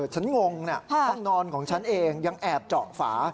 งงนะห้องนอนของฉันเองยังแอบเจาะฝา